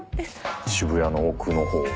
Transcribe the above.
渋谷の奥のほう。